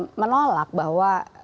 di negara negara kita